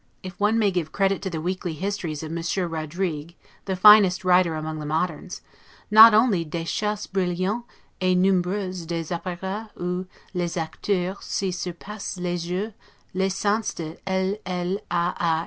If one may give credit to the weekly histories of Monsieur Roderigue, the finest writer among the moderns; not only 'des chasses brillantes et nombreuses des operas ou les acteurs se surpassent les jours des Saints de L. L. A.